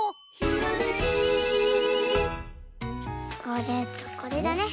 これとこれだね。